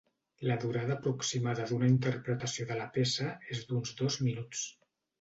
La durada aproximada d'una interpretació de la peça és d'uns dos minuts.